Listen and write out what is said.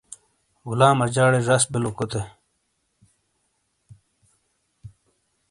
غلام اجاڑے زش بِیلو کوتے۔